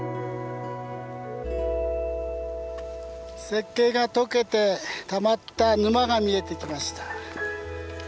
雪渓がとけてたまった沼が見えてきました。